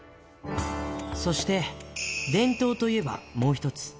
そして、伝統といえばもう１つ。